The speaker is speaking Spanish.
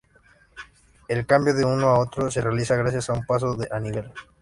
El cambio de uno a otro se realiza gracias a un paso a nivel.